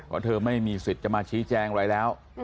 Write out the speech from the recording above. เพราะเธอไม่มีสิทธิ์จะมาชี้แจงอะไรแล้ว